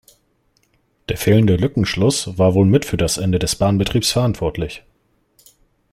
Der fehlende Lückenschluss war wohl mit für das Ende des Bahnbetriebs verantwortlich.